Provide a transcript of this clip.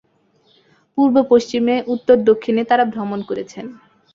পূর্ব-পশ্চিমে, উত্তর-দক্ষিণে তাঁরা ভ্রমণ করেছেন।